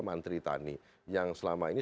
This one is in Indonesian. menteri tani yang selama ini